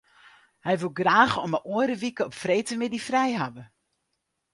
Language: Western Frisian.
Hy woe graach om 'e oare wike op freedtemiddei frij hawwe.